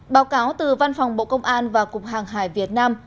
báo cáo từ văn phòng bộ công an và cục hàng hải việt nam